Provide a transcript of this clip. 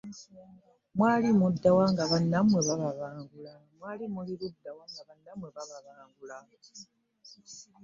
Mwali ludda wa nga bannammwe bababangula?